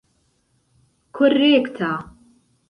korekta